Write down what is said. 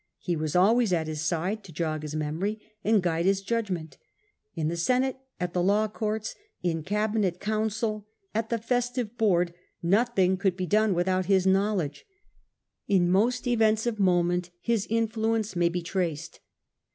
He was always at his side, to jog his memory and guide his judgment; in the Senate, at the law courts, in cabinet council, at the festive board, nothing could be done without his know ledge ; in most events of moment his influence may be traced.